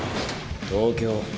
東京。